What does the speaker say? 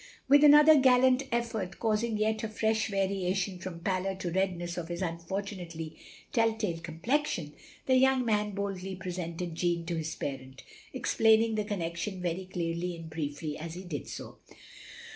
With another gallant effort, causing yet a fresh variation from pallor to redness of his unfortu nately tell tale complexion, the young man boldly presented Jeanne to his parent, explaining the connection very clearly and briefly as he did so.